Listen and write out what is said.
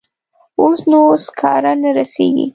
اوس نو سکاره نه رسیږي.